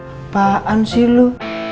apaan sih lu